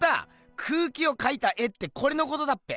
空気を描いた絵ってこれのことだっぺ。